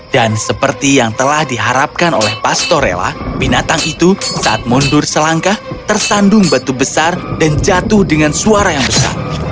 dan seperti yang telah diharapkan oleh pastorella binatang itu saat mundur selangkah tersandung batu besar dan jatuh dengan suara yang besar